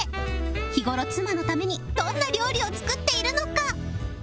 日頃妻のためにどんな料理を作っているのか